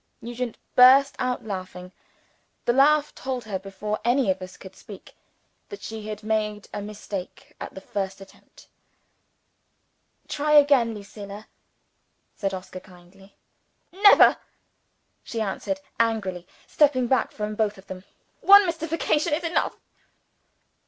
Nugent burst out laughing. The laugh told her, before any of us could speak, that she had made a mistake at the first attempt. "Try again, Lucilla," said Oscar kindly. "Never!" she answered, angrily stepping back from both of them. "One mystification is enough."